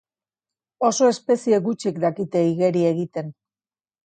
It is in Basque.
Oso espezie gutxik dakite igeri egiten.